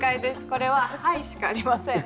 これは「はい」しかありません。